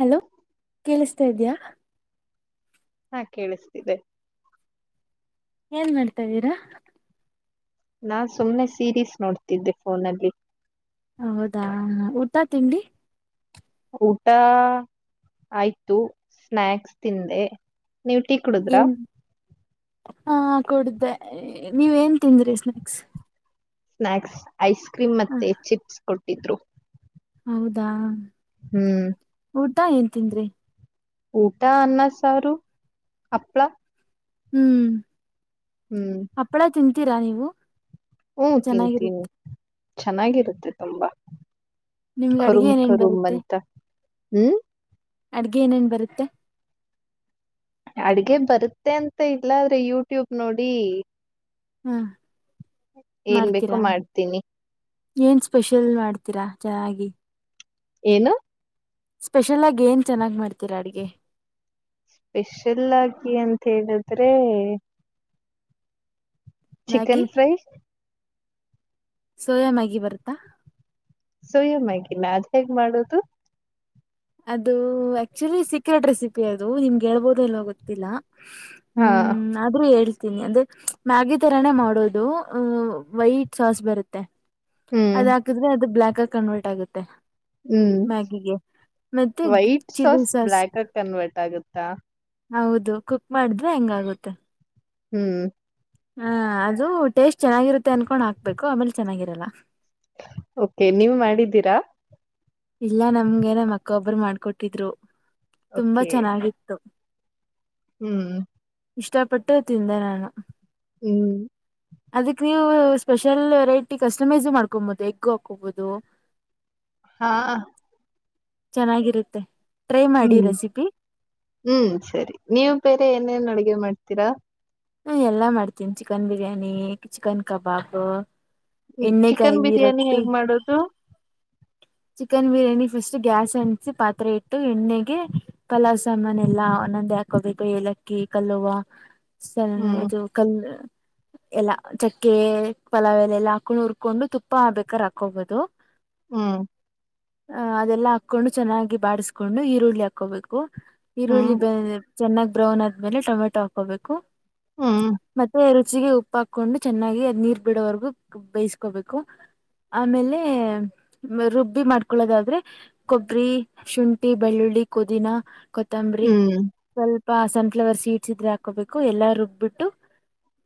Hello ಕೇಳಿಸ್ತಾ ಇದ್ಯಾ. ಹಾ ಕೇಳಿಸ್ತಿದೆ. ಏನ್ ಮಾಡ್ತಾ್ದೀರಾ. ನಾ ಸುಮ್ನೆ ಸೀರೀಸ್ ನೋಡ್ತಿದ್ದೆ ಫೋನಲ್ಲಿ. ಹೌದಾ ಊಟ ತಿಂಡಿ. ಊಟ ಆಯ್ತು ಸ್ನ್ಯಾಕ್ಸ್ ತಿಂದೆ ನೀವ್ ಟೀ ಕುಡುದ್ರಾ ಏನ್ ಹ. ಕುಡ್ದೆ ನೀವ್ ಏನ್ ತಿಂದ್ರಿ ಸ್ನಾಯಕ್ಸ್. ಸ್ನ್ಯಾಕ್ಸ್ ಐಸ್ ಕ್ರೀಮ್ ಮತ್ತೆ ಚಿಪ್ಸ್ ಕೊಟ್ಟಿದ್ರು. ಹೌದಾ. ಹ್ಮ್. ಊಟಾ ಏನ್ ತನ್್ರಿ. ಊಟಾ ಅನ್ನ ಸಾರು ಅಪ್ಪಳ. ಹ್ಮ್ ಹಪ್ಪಳ ತಿಂತೀರಾ ನೀವು. ಹ್ಮ ತಿನ್ಿ ತಿೀನ್ಿ ಚೆನ್ನಾಗಿರುತ್ತೆ ಚೆನ್ನಾಗಿರುತ್ತೆ ತುಂಬಾ. ನಿಮ್ಗೆ ಅಡ್ಗೆ ಕರುಮ ಏನೇನ್ ಕಮ ಬಂತ ಹ್ಮ್. ಅಡಿಗೆ ಏನೇನ್ ಬರುತ್ತೆ. ಅಡಿಗೆ ಬರುತ್ತೆ ಅಂತ ಇಲ್ಲ ಆದ್ರೆ ಯೂಟ್ಯೂಬ್ ನೋಡಿ. ಹ್ಮ. ಏನ್ ಬೇಕೋ ಮಾಡ್ತೀರಾ ಮಾಡ್ತೀನಿ ಏನ್ ಸ್ಪೆಷಲ್ ಮಾಡ್ತೀರಾ. ಜಾಗಿ. ಏನು. ಸ್ಪೆಷಲ್ ಆಗಿ ಏನ್ ಚೆನ್ನಾಗಿ್ ಮಾಡ್ತೀರಾ ಅಡುಗೆ. ಸ್ಪೆಷಲ್ ಆಗಿ ಅಂತ ಹೇಳಿದ್ರೆ. Maggi chicken fry. Soya Maggi ಬರುತ್ತೆ. ಸೋಯ ಮ್ಯಾಗಿನಾ ಅದು ಹೇಗೆ ಮಾಡೋದು. ಅದು ಆಕ್ಟ್ನಲ್ಲಿ ಸೀಕ್ರೆಟ್ ರೆಸಿಪಿ ಅದು ನಿಮಗೆ ಹೇಳ್ಬೋದು ಇಲ್ಲೋ ಗೊತ್ತಿಲ್ಲ ಹಾ ಹ್ಮ್ ಆದ್ರೂ ಹೇಳಿ. ಿ ಅಂದ್ರೆ ಮ್ಯಾಗಿ ತರಾನೇ ಮಾಡೋದು ಅಹ ವೈಟ್ ಸಾಸ್ ಬರುತ್ತೆ. ಅದ ಹ್ಮ್ ಹಾಕಿದ್ರೆ ಅದು ಬ್ಲಾಕ್ ಆಗ ಕನ್ವರ್ಟ್ ಆಗುತ್ತೆ ಹ್ಮ್ ಮ್ಯಾಗಿಗೆ. ಮತ್ತೆ ವೈಟ್ ಸಾಸ್ ಬ್ಲಾಕ್ ಆಗಿ ಕನ್ವರ್ಟ್ ಆಗುತ್ತಾ. ಹೌದು ಕುಕ್ ಮಾಡಿದ್ರೆ ಹೆಂಗಾಗುತ್ತೆ. ಹ್ಮ್. ಹ ಅದು ಟೇಸ್ಟ್ ಚೆನ್ನಾಗಿರುತ್ತೆ ಅನ್ಕೊಂಡ್ ಹಾಕ್ಬೇಕು ಆಮೇಲ್ ಚೆನ್ನಾಗಿರಲ್ಲ ಓಕೆ ನೀವು ಮಾಡಿದಿರಾ ಇಲ್ಲ ನಮ್ಗೆನೆಮ್ಮ ಅಕ್ಕ ಒಬ್ಬರು ಮಾಡ್ಕೊಟ್ಟಿದ್ರು ತುಂಬಾ ಓಕೆ ಚೆನ್ನಾಗಿತ್ತು ಹ್ಮ್ ಇಷ್ಟಪಟ್ಟು ತಿಂದೆ ನಾನು ಹ್ಮ್ ಅದಕ್ ನೀವು. ಸ್ಪೆಷಲ್ ವೆರೈಟಿ ಕಸ್ಟಮೈಸ್ ಮಾಡ್ಕೊಬಹುದು ಎಗ್ ಹಾಕಬಹುದು. ಹಾ. ಚೆನ್ನಾಗಿರುತ್ತೆ. ಟ್ರೈ ಮಾಡಿ ಹ್ಮ್ ರೆಸಿಪಿ ಹ್ಮ್ ಸರಿ ನೀವು ಬೇರೆ ಏನೇನ್ ಅಡಿಗೆ ಮಾಡ್ತೀರಾ. ನಾ ಎಲ್ಲಾ ಮಾಡ್ತೀನಿ ಚಿಕನ್ ಬಿರಿಯಾನಿ ಚಿಕನ್ ಕಬಾಬು. ಎ್ಣ ಚಿಕನ್ ಕಾಯಿ ಬಿರಿಯಾನಿ ರೊಟ್ಟಿ. ಹೇಗ್ ಮಾಡೋದು ಚಿಕನ್ ಬಿರಿಯಾನಿ ಫಸ್ಟ್ ಗ್ಯಾಸ್ ಅಂಸಿ ಪಾತ್ರೆ ಇಟ್ಟು ಎಣ್ಣೆಗೆ ಪಲಾವ್ ಸಾಮಾನ್ ಎಲ್ಲಾ ಅವ. ಂದೆ ಹಾಕೋಬೇಕು ಏಲಕ್ಕಿ ಕಲ್ಲುವ ಸ ಹ್ಮ್ ಇದು ಕಲ್ಲ. ಎಲ್ಲಾ ಚಕ್ಕೆ ಪಲಾವ್ ಎಲ್ಲ ಎಲ್ಲಾ ಹಾಕೊಂಡು ಹುರ್ಕೊಂಡು ತುಪ್ಪ ಬೇಕಾರ ಹಾಕೊಬಹುದು. ಹ್ಮ್ ಹ ಅದೆಲ್ಲಾ ಹಾಕ್ಕೊಂಡು ಚೆನ್ನಾಗಿ ಬಾಿಸ್ಕೊಂಡು ಈರುಳ್ಳಿ ಹಾಕೋಬೇಕು ಈರುಳ್ಳಿ ಹ್ಮ್ ಬೆ ಚೆನ್ನಾಗ್ ಬ್ರೌನ್ ಆದ್ಮೇಲೆ ಟೊಮೆಟೊ ಹಾಕೋಬೇಕು ಹ್ಮ್ ಮತ್ತೆ ರುಚಿಗೆ ಉಪ್ಪು ಹಾಕೊಂಡು ಚೆನ್ನಾಗಿ ಅದ್ ನೀರು ಬಿಡೋವರ್ಗೂ ಬೇಯಿಸಕೋಬೇಕು ಆಮೇಲೆ ರುಬ್ ಬಿ ಮಾಡ್ಕೊಳ್ಳೋದಾದ್ರೆ ಕೊಬ್ಬರಿ ಶುಂಠಿ ಬೆಳ್ಳುಳ್ಳಿ ಕುದಿನ ಕೊತ್ತಂಬರಿ ಹ್ಮ್ ಸ್ವಲ್ಪ ಸನ್ಫ್ಲವರ್ ಸೀಡ್ಸ್ ಇದ್ರೆ ಹಾಕೋಬೇಕು ಎಲ್ಲಾ ರುಬ್ಬಿಟ್ಟು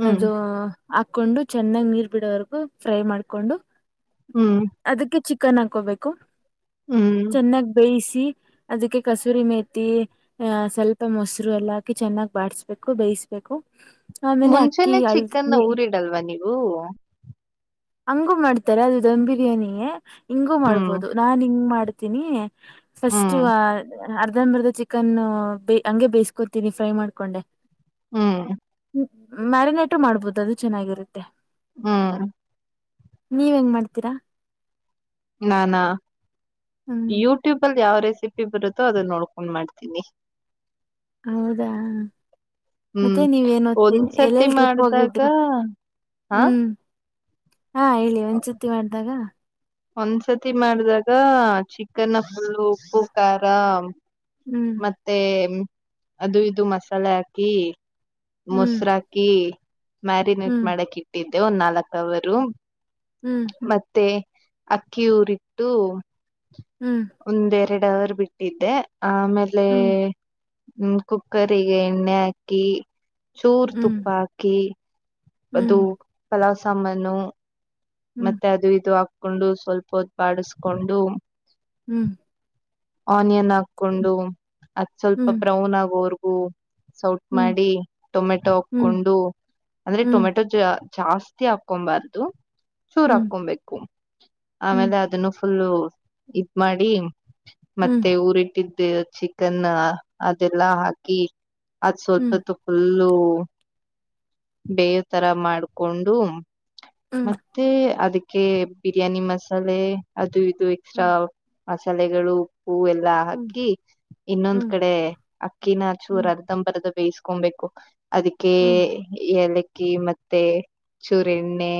ಹ್ಮ್ ಅದು ಹಾಕೊಂಡು ಚೆನ್ನಾಗ್ ನೀರ್ ಬಿಡೋವರೆಗು ಫ್ರೈ ಮಾಡ್ಕೊಂಡು ಹ್ಮ್ ಅದಕ್ಕೆ ಚಿಕನ್ ಹಾಕೋಬೇಕು ಹ್ಮ್ ಚೆನ್ನಾಗ್ ಬೇಯಿಸಿ ಅದಕ್ಕೆ ಕಸೂರಿ ಮೇತಿ ಸ್ವಲ್ಪ ಮೊಸರು ಎಲ್ಲ ಹಾಕಿ ಚೆನ್ನಾಗಿ್ ಬಬೇಕು ಬೇಕು ಮುಂಚೆಾನನೆ ಚಿಕನ್ ಊರಿಡಲ್ವಾ ನೀವು ಹಂಗು ಮಾಡ್ತಾರೆ ಅದು ಧಮ್ ಬಿರಿಯಾನಿ ಹಿಂಗೂ ಹ್ಮ್ ಮಾಡ್ಬೋದು ನಾ ಹಿಂಗ ಮಾಡ್ತೀನಿ ಫಸ್ಟು ಹ್ಮ್ ಅರ್ಧನ್ ಮರ್ದ ಚಿಕನ್ ಹಂಗಗೆ ಬೇಯಿಸಕೊತೀನಿ ಫ್ರೈ ಮಾಡ್ಕೊಂಡೆ ಹ್ಮ್ ಮ್ಯಾರಿನೇಟು ಮಾಡ್ಬೋದು ಅದು ಚೆನ್ನಾಗಿರುತ್ತೆ ಹ್ಮ್ ನೀವ ಹೆಂಗ ಮಾಡ್ತೀರಾ ನಾನಾ ಹ್ಮ್ ಯೂಟ್ಯೂಬ ಅಲ್ಲಿ ಯಾವ ರ ಸಿಪ್ಪಿ ಬರುತ್ತೋ ಅದನ್ನ ನೋಡ್ಕೊಂಡ್ ಮಾಡ್ತೀನಿ ಹೌದಾ ಹ್ಮ್ ಮತ್ತೆ ನೀವ್ ನ ಹೊತ್ತಿ ಒಂದ್ಸತಿ ಎಲ್ಲೆಲ್ ಟ್ರಿಪ್ ಮಾಡ್ದಾಗ ಹೋಗಿದ್ರಿ ಹ ಹ್ಮ್ ಹಾ ಹೇಳಿ ಒಂಸತಿ ಮಾಡ್ದಾಗ ಒಂದ್ಸತಿ ಮಾಡಿದಾಗ ಚಿಕನ್ ಪುಲ್ಲು ಉಪ್ಪು ಖಾರ ಹ್ಮ್ ಮತ್ತೆ ಅದು ಇದು ಮಸಾಲೆ ಹಾಕಿ ಹ್ಮ್ ಮೊಸರಾಕಿ ಮ್ಯಾರಿನೇಟ್ ಹ್ಮ್ ಮಾಡಕ್ ಇಟ್ಟಿದ್ದೆ ಒಂದ್ ನಾಲ್ಕ್ ಅವರು ಹ್ಮ್ ಮತ್ತೆ ಅಕ್ಕಿಯ ಊರಿಟ್ಟು ಹ್ಮ್ ಒಂದ್ೆರಡು ಅವರ್ ಬಿಟ್ಟಿದ್ದೆ ಆ ಆಮೇಲೆ ಹ್ಮ್ ಹ್ಮ ಕುಕ್ಕರ್ರಿಗೆ ಎಣ್ಣೆ ಹಾಕಿ ಚೂರ್ ಹ್ಮ್ ತುಪ್ಪ ಹಾಕಿ ಅದು ಹ್ಮ್ ಪಲಾವ್ ಸಾಮಾನು ಹ್ಮ್ ಮತ್ತೆ ಅದು ಇದು ಕೊಂಡು ಸ್ವಲ್ಪ ಹೊ ಬಾಡಿಸಕೊಂಡು ಹ್ಮ್ ಆನಿಯನ್ ಹಾಕೊಂಡು ಅತ್ ಸ್ವಲ್ಪ ಹ್ಮ್ ಬ್ರೌನ್ ಆಗೋರ್ಗೂ ಸೌಟ್ ಹ್ಮ್ ಮಾಡಿ ಟೊಮೆಟೊ ಹಾಕೊಂಡು ಅಂದ್ರೆ ಹ್ಮ್ ಹ್ಮ್ ಟೊಮೆಟೊ ಜ ಜಾಸ್ತಿ ಹಾಕೊಬಾರ್ದು ಚೂರ್ ಹ್ಮ್ ಹ್ಮ್ ಹಾಕೊಬೇಕು ಹ್ಮ್ ಆಮೇಲೆ ಅದನ್ನು ಫುಲ್ಲು ಇದ್ ಮಾಡಿ ಹ್ಮ್ ಮತ್ತೆ ಊರಿಟ್ಟಿದ್ದ ಚಿಕನ್ ಅದೆಲ್ಲಾ ಹಾಕಿ ಅದು ಹ್ಮ್ ಸ್ವಲ್ಪತ್ತು ಫುಲ್ ಬೇವ ತರ ಮಾಡ್ಕೊಂಡು ಹ್ಮ್ ಮತ್ತೆ ಅದಕ್ಕೆ ಬಿರಿಯಾನಿ ಮಸಾಲೆ ಅದು ಇದು ಎಕ್ಸ್ಟ್ರಾ ಹ್ಮ್ ಮಸಾಲೆಗಳು ಹೂವೆಲ್ಲಾ ಹ್ಮ್ ಹಾಕಿ ಇನ್ನೊಂದ್ ಹ್ಮ್ ಕಡೆ ಅಕ್ಕಿನಚೂರ್ ಹ್ಮ್ ಅರ್ಧಂಬರ್ದ ಬೇಯಿಸಕೊಬೇಕು ಅದಕ್ಕೆ ಹ್ಮ್ ಎ ಅಕ್ಕಿ ಮತ್ತೆ ಚೂರು ಎಣ್ಣೆ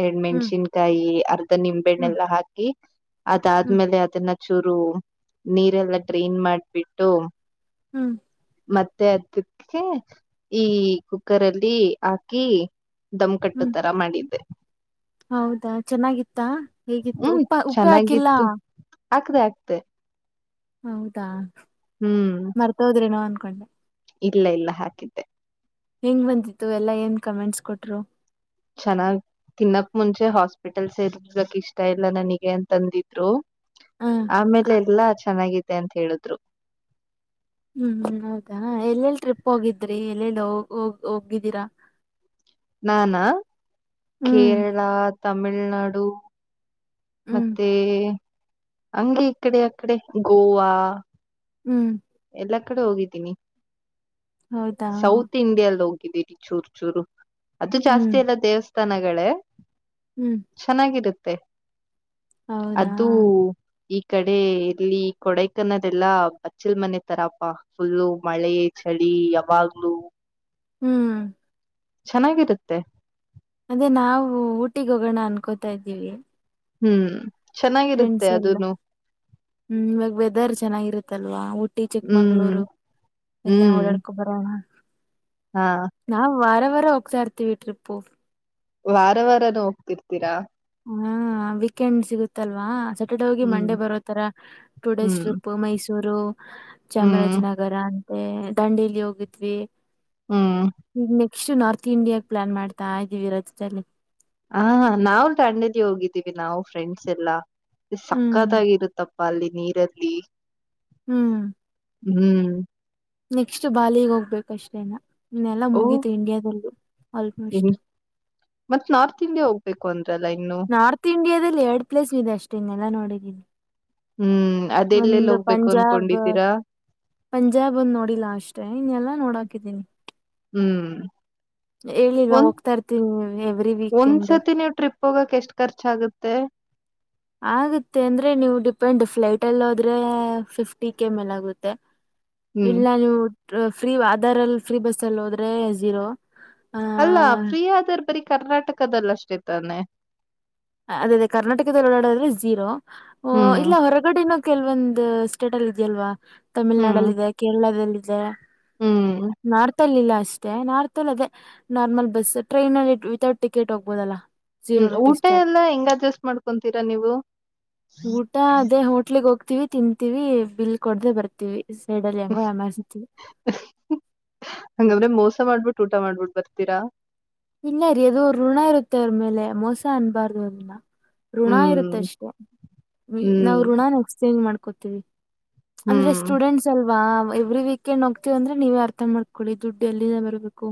ಎರಡ್ ಹ್ಮ್ ಮೆಣ್ಸಿನ್ಕಾಯಿ ಅರ್ಧ ಹ್ಮ್ ನಿಂಬೆಣ್ಣೆಲ್ಲಾ ಹಾಕಿ ಹ್ಮ್ ಅದಾದ್ಮೇಲೆ ಅದನ್ನ ಚೂರು ನೀರೆಲ್ಲ ಡ್ರೈನ್ ಮಾಡ್ಬಿಟ್ಟು ಹ್ಮ್ ಮತ್ತೆ ಅದಕ್ಕೆ ಈ ಕುಕ್ಕರ್ ಅಲ್ಲಿ ಹಾಕಿ ದಮ್ ಕಟ್ಟು ಹ್ಮ್ ತರ ಮಾಡಿದ್ದೆ ಹೌದಾ ಚೆನ್ನಾಗಿತ್ತಾ ಹೇಗಿತ್ತು ಉಪ್ಪ ಉಪ್ಪೆ ಹಾಕಿಲ್ಲ ಆಗ್ದೆ ಆಗ್ದೆ ಹೌದಾ ಹ್ಮ್ ಮರ್ತೋದ್ರೇನೋ ಅನ್ಕೊಂಡೆ ಇಲ್ಲ ಇಲ್ಲ ಹಾಕಿದ್ದೆ ಹೆಂಗ್ ಬಂದತ್ತು ಎಲ್ಲ ಏನ್ ಕಮೆಂಟ್ಸ್ ಕೊಟ್ರು ಚೆನ್ನಾಗ್ ತಿನ್ನಕ್ ಮುಂಚೆ ಹಾಸ್ಪಿಟಲ್ಸ್ ಸೇರಕ್ಕೆ ಇಷ್ಟ ಇಲ್ಲ ನನಗೆ ಅಂತಂದಿದ್ರು ಹ ಆ, ಆಮೇಲೆ ಎಲ್ಲಾ ಚೆನ್ನಾಗಿದೆ ಅಂತ ಹೇಳಿದ್ರು. ಹ್ಮ್ ಹೌದಾ ಎಲ್ಲೆಲ್ ಟ್ರಿಪ್ ಹೋಗಿದ್ರಿ ಎಲ್ಲೆಲ್ಲಿೋಗ ಹೋಗಿದ್ದೀರಾ [inaudible] ನಾನಾ ಹ್ಮ್ ಕೇರಳ ತಮಿಳ್ನಾಡು ಹ್ಮ್ ಮತ್ತೆ ಹಂಗೆ ಈ ಕಡೆ ಅಕಡೆ ಗೋವಾ ಹ್ಮ್ ಎಲ್ಲಾ ಕಡೆ ಹೋಗಿದ್ದೀನಿ ಹೌದಾ ಸೌತ್ ಇಂಡಿಯಲ್ ಹೋಗಿದ್ದೀನ ಚೂರು ಚೂರು ಅದು ಹ್ಮ್ ಜಾಸ್ತಿ ಅಲ್ಲ ದೇವಸ್ಥಾನಗಳೇ ಹ್ಮ್ ಚೆನ್ನಾಗಿರುತ್ತೆ ಹೌದಾ ಅದು ಈ ಕಡೆ ಇಲ್ಲಿ ಕೊಡೈಕನ್ನದೆ ಎಲ್ಲಾ ಬಚ್ಚಲ್ ಮನೆ ತರಪಾ ಫುಲ್ಲು ಮಳೆ ಚಳಿ ಯಾವಾಗ್ಲೂ ಹ್ಮ್ ಚೆನ್ನಾಗಿರುತ್ತೆ ಅದೇ ನಾವು ಊಟಿಗ ಹೋಗೋಣ ಅನ್ಕೋತಾ ಇದ್ದೀವಿ. ಹ್ಮ್ ಚೆನ್ನಾಗಿರುತ್ತೆ ್ರೆಂಡ್ಸ್ ಎಲ್ಲ ಅದನು ಹ್ಮ್ ಇವಾಗ ವೆದರ್ ಚೆನ್ನಾಗಿರುತ್ತಲ್ವಾ ಟ್ಟಿ ಹ್ಮ್ ಚಿಕ್ಮಗಳೂರು ಎಲ್ಲಾ ಹ್ಮ್ ಓಡಾಡ್ಕೊ ಬರೋಣ ಹಾ ನಾವು ವಾರ ವಾರ ಹೋಗ್ತಾ ಇಡ್ರ್ತೀವಿ ಟ್ರಿಪ್ಪು. ವಾರ ವಾರಾನ ಹೋಗ್ತಿರ್ತೀರಾ ಹಾ ವೀಕೆಂಡ್ ಸಿಗುತ್ತಲ್ವಾ ಸ್ಯಾಟರ್ಡೇ ಹೋಗಿ ಹ್ಮ್ ಮಂಡೇ ಬರೋತರ ಟೂ ಡೇಸ್ ಹ್ಮ್ ಟ್ರಿಪ್ ಮೈಸೂರು ೂರು ಹ್ಮ್ ಚಾಮರಾಜನಗರ ಅಂತ ದಂಡಿಲಿ ಹೋಗಿದ್ವಿ. ಹ್ಮ್ ಇಷ್ಟು ನಾರ್ತ್ ಇಂಡಿಯಾಗ ಪ್ಲಾನ್ ಮಾಡ್ತಾ ಇದೀವಿ ರಜದಲ್ಲಿ ಹಾ ನಾವು ದಾಂಡೇಲಿ ಹೋಗಿದ್ದೀವಿ ನಾವು ಫ್ರೆಂಡ್ಸ್ ಎಲ್ಲಾ ಹ್ಮ್ ಸಕ್ಕತ್ತಾಗಿರುತ್ತಪ್ಪ ಪ ಅಲ್ಲಿ ನೀರಲ್ಲಿ ಹ್ಮ್ ಹ್ಮ್ ನೆಕ್ಸ್ಟ್ ಬಾಲಿಗೆ ಹೋಗ್ಬೇಕ ಅಷ್ಟೇನ ಇನ್ನೆಲ್ಲಾ ಓ ಮುಗತು ಇಂಡಿಯಾದಲ್ಲು ಆಲ್ಮೋಸ್ಟ್ ಮತ್ ನಾರ್ತ್ ಇಂಡಿಯಾ ಹೋಗ್ಬೇಕು ಅಂದ್ರಲ್ಲ ಇನ್ನು ನಾರ್ತ್ ಇಂಡಿಯಾದಲ್ಲಿ ಎರಡ್ ಪ್ಲೇಸ್ ಇದೆ ಅಷ್ಟೇ ಇನ್ನಲ್ಲಾ ನೋಡಿದ್ದೀನಿ ಹ್ಮ್ ಅದೆಲ್ಲೆಲ್ ಒಂದು ಹೋಗ್ಬೇಕು ಪಂಜಾಬ್ ಅನ್ಕೊಂಡಿದ್ದೀರಾ? ಪಂಜಾಬ್ ಅಂದ ನೋಡಿಲ್ಲಾ ಅಷ್ಟೆ ಇನ್ನೆಲ್ಲಾ ನೋಡಾಕಿದ್ದೀನಿ. ಹ್ಮ್ ಹೇಳಿಲ್ವಾ ಒ ಹೋಗ್ತಾ ಇರ್ತೀನಿ ಎವ್ರಿ ವೀಕೆಂಡ್ ಒಂದ್ಸತಿ ನೀವು ಟ್ರಿಪ್ ಹೋಗಕ ಎಷ್ಟ ಖರ್ಚಾಗುತ್ತೆ ಆಗುತ್ತೆ ಅಂದ್ರೆ ನೀವು ಡಿಪೆಂಡ್ ಫ್ಲೈಟ್ ಅಲ್ಲಿ ಹೋದ್ರೆ ಫಿಫ್ಟಿ ಕೆ ಮೇಲ್ ಆಗುತ್ತೆ ಹ್ಮ್ ಇಲ್ಲ ನೀವು ಫ್ರೀ ಆಧಾರ್ ಅಲ್ಲಿ ಫ್ರೀ ಬಸ್ ಅಲ್ಲಿ ಹೋದ್ರೆ ಝೀರೋ ಆ ಅಲ್ಲ ಫ್ರೀ ಆದರ್ ಬರಿೀ ಕರ್ನಾಟಕದಲ್ಲ ಅಷ್ಟೇ ತಾನೆ ಅದೇ ಅದೇ ಕರ್ನಾಟಕದಲ್ಲಿ ಓಡಾಡದ್ರೆ ಜಝೀರೋ ಹ್ಮ್ ಇಲ್ಲ ಹೊರಗಡಿನ ಕೆಲ್ವೊಂದು ಸ್ಟೇಟ್ ಅಲ್ಲಿ ಇದೆಯಲ್ವಾ ಹ್ಮ್ ತಮಿಳ್ನಾಡಲ್ಲ ಇದೆ ಕೇರಳದಲ್ಲಿದೆ. ಹ್ಮ್ ನಾರ್ತ್ ಲ್ಲಿ ಇಲ್ಲ ಅಷ್ಟೇ ನಾರ್ತ ಅಲ್ ಅದೇ ನಾರ್ಮಲ್ ಬಸ್ ಟ್ರೈನ್ ಅಲ್ಲಿ ವಿತೌಟ್ ಟಿಕೆಟ್ ಹೋಗ್ಬೋದಲ್ಲಾ ಜೀರೋ ಹ್ಮ್ ರುಪೀಸ್ ಊಟ ಚಾರ್ಟ ಎಲ್ಲ ಹೆಂಗ್ ಅಡ್ಜಸ್ಟ್ ಮಾಡ್ಕೊತೀರಾ ನೀವು ತವಿ ತಿಂತೀವಿ ಬಿಲ್ ಕೊಡ್ದ ಬರ್ತಿೀವಿ ಹಂಗ ಅವರ ಮೋಸ್ಟ್ ಸ ಮಾಡ್ಬಿಟ್ಟು ಊಟ ಮಾಡ್ಬಿಟ್ಟು ಬರ್ತೀರಾ ಪನ್ನರಿ ಎದೋ ಋಣ ಇರುತ್ತೆ ಅವ್ರ ಮೇಲೆ ಮೋಸ ಅನ್ಬಾರ್ದು ಅದನ್ನ ಋಣ ಇರುತ್ತೆ ಹ್ಮ್ ಅಷ್ಟೇ ಹ್ಮ್ ನಾವವು ಋಣಾನ ಎಕ್ಸ್ಚೇಂಜ್ ಮಾಡ್ಕೋತೀವಿ ಅಂದ್ರೆ ಹ್ಮ್ ಸ್ಟೂಡೆಂಟ್ಸ್ ಅಲ್ವಾ ವಾ ಎವ್ರಿ ವೀಕೆಂಡ್ ಹೋಗ್ತೀವ ಅಂದ್ರೆ ನೀವೇ ಅರ್ಥ ಮಾಡ್ಕೊಳ್ಳಿ ದುಡ್ಡು ಎಲ್ಲಿಂದ ಬರ್ಬೇಕು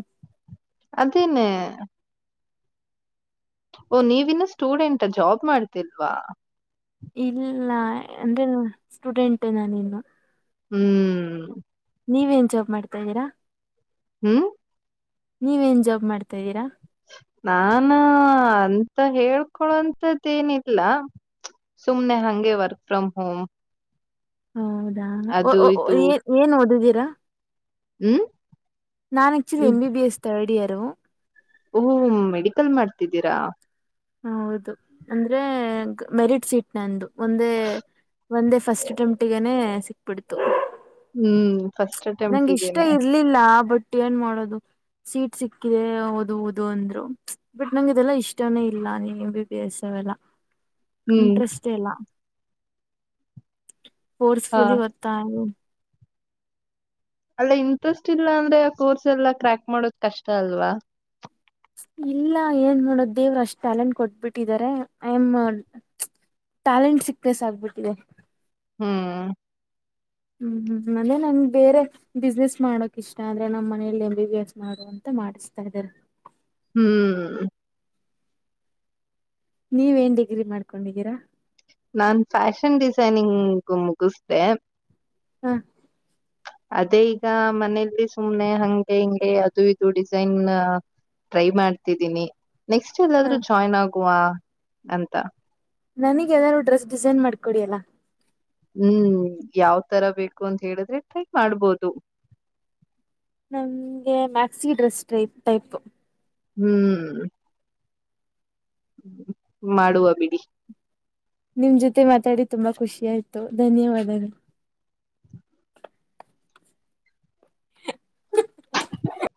ಅದನ್ನೇ ಓ ನೀವಿನ್ನೂ ಸ್ಟೂಡೆಂಟ ಜಾಬ್ ಮಾಡ್ತಿಲ್ವಾ ಇಲ್ಲ ಅಂದೆ ಸ್ಟೂಡೆಂಟ್ ನಾನ ಇನ್ನು ಹ್ಮ್ ನೀವೇನ್ ಜಾಬ್ ಮಾಡ್ತಾದೀರಾ ಹ್ಮ್ ನೀವ ಏನ್ ಜಾಬ್ ಮಾಡ್ತಾ ಇದಿದ್ದೀರಾ ನಾನ ಅಂತ ಹೇಳ್ಕೊಳೋಂತದ್ದೇನಿಲ್ಲ ಸುಮ್ನೆ ಹಂಗೆ ವರ್ಕ್ ಫ್ರ್ ಹೋಮ್ ಹೌದಾ ಅದು ಇದು ಏನ್ ಏನ್ ಓಡಿದೀರಾ ಹ್ಮ್ ನಾನು ಆಕ್ಚಲಿ ಹ್ಮ್ ಎಂಬಿಬಿಎಸ್ ತರ್ಡ್ ಇಯರ್ ಓ ಮೆಡಿಕಲ್ ಮಾಡ್ತಿದ್ದೀರಾ ಹೌದು ಅಂದ್ರೆ ಮೆರಿಟ್ ಶೀಟ್ ನಂದು ಒಂದೇ ಒಂದೇ ಫಸ್ಟ್ ಅಟೆಂಪ್ಟಗಾನೇ ಸಿಕ್ಬಿಡ್ತು ಹ್ಮ್ ಫಸ್ಟ್ ನಂಗ ಇಷ್ಟ ಅಟೆಂಪ್ಟಿಗೆನೆ ಇರ್ಲಿಲ್ಲ ಬಟ್ ಏನ್ ಮಾಡೋದು ಸೀಟ್ ಸಿಕ್ಕಿದೆ ಓದ ಓದು ಅಂದ್ರು ಬಟ್ ನಂಗ ಇದೆಲ್ಲಾ ಇಷ್ಟಾನೇ ಇಲ್ಲ ಬಿ ಬಿ ಎಸ್ ಅವೆಲ್ಲ ಹ್ಮ್ ಇಂಟ್ರೆಸ್ಟ್ ಎಲ್ಲ ಹಾ ಫೋರ್ಸ್ಫುಲಿ ಬತಾ ಅಲ್ಲ ಇಂಟ್ರೆಸ್ಟ್ ಇಲ್ಲ ಅಂದ್ರೆ ಕೋರ್ಸ್ ಎಲ್ಲಾ ಕ್ರ್ಯಾಕ್ ಮಾಡೋದ್ ಕಷ್ಟ ಅಲ್ವಾ ಇಲ್ಲ ಏನ್ ಮಾಡೋದು ದೇವ್ರು ಅಷ್ಟ್ ಟ್ಯಾಲೆಂಟ್ ಕೊಟ್ಬಿಟ್ಟಿದ್ದಾರೆ ಐ ಎಮ್ ಟ್ಯಾಲೆಂಟ್ ಸಿಕ್ತೆ ಸ ಆಗ್ಬಿಟ್ಟಿದೆ ಹ್ಮ್ ಹ್ಮ್ ಹ್ಮ್ ಅಂದೆ ನನ್ ಬೇರೆ ಬಿಸ್ನೆಸ್ ಮಾಡೋಕ್ ಇಷ್ಟ ಅಂದ್ರೆ ನಮ್ ಮನೆಯಲ್ಲಿ ಎ ಬಿ ಬಿ ಎಸ್ ಮಾಡು ಅಂತ ಮಾಡಿಸ್ತಾ ಇದಾರೆ ಹ್ಮ್ ನೀವೇನ್ ಡಿಗ್ರಿ ಮಾಡ್ಕೊಂಡಿದ್ದೀರಾ ನಾನ್ ಫ್ಯಾಷನ್ ಡಿಸೈನಿಂಗ್ ಮುಗಿಸ್ದೆ ಹಾ [inaudible] ಅದೇ ಈಗ ಮನೇೆಯಲ್ಲಿ ಸುಮ್ನೆ ಹಂಗೆ ಹಿಂಗೆ ಅದು ಇದು ಡಿಸೈನ್ ಟ್ರೈ ಮಾಡ್ತಿದ್ದೀನಿ ನೆಕ್ಸ್ಟ್ ಹ ಎಲ್ಲಾದ್ರೂ ಜಾಯಿ್ನ್ ಆಗುವ ಅಂತ ನನಗ್ ಯಾವನಾದ ಡ್ರೆಸ್ ಡಿಸೈನ್ ಮಾಡ್ಕೊಡಿಲ್ಲ ಹ್ಮ್ ಯಾವ್ ತರ ಬೇಕು ಅಂತ ಹೇಳಿದ್ರೆ ಟ್ರೈ ಮಾಡ್ಬೋದು ನನ್ಗೆ ಮ್ಯಾಕ್ಸಿ ಡ್ರೆಸ್ ಟೈಪ್ ಟೈಪ್ ಹ್ಮ್ ಮಾಡುವ ಬಿಡಿ ನಿಮ್ ಜೊತೆ ಮಾತಾಡಿ ತುಂಬಾ ಖುಷಿ ಆಾಯ್ತು ಧನ್ಯವಾದಗಳು [unintelligible]